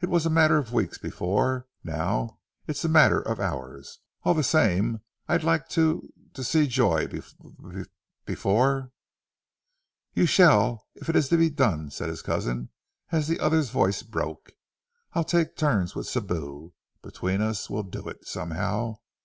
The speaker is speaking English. It was a matter of weeks, before; now it's a matter of hours.... All the same ... I'd like to ... to see Joy, b before " "You shall, if it's to be done," said his cousin as the other's voice broke. "I'll take turns with Sibou. Between us we'll do it, somehow.